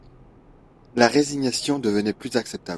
La résignation devenait plus acceptable.